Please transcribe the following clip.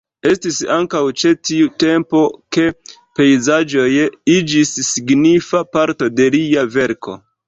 Estis ankaŭ ĉe tiu tempo ke pejzaĝoj iĝis signifa parto de lia verko.